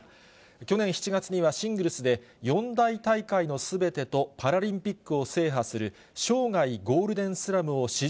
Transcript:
去年７月にはシングルスで四大大会のすべてとパラリンピックを制覇する、生涯ゴールデンスラムを史上